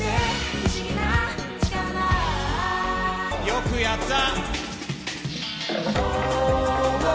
よくやった。